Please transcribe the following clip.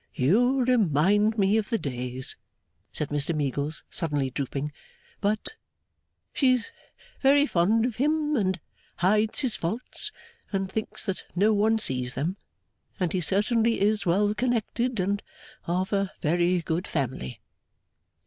'You remind me of the days,' said Mr Meagles, suddenly drooping 'but she's very fond of him, and hides his faults, and thinks that no one sees them and he certainly is well connected and of a very good family!